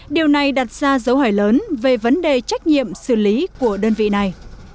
điều này đặt ra dấu hỏi lớn về vấn đề trách nhiệm xử lý của đơn vị này